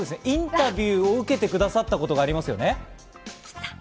インタビューを受けてくださったことがありますよね。